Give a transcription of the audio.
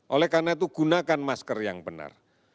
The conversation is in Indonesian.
oleh karena itu gunakan masker yang benar